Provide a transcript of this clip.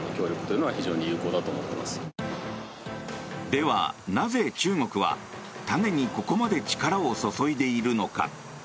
ではなぜ中国は、種にここまで力を注いでいるのか。